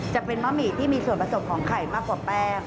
จะเป็นมะหมี่ที่มีส่วนผสมของไข่มากกว่าแป้ง